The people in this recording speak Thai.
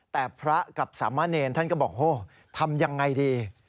แต่พระกับสามเณรท่านก็บอกทำอย่างไรดี